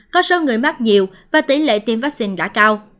có số người mắc nhiều và tỷ lệ tiêm vaccine đã cao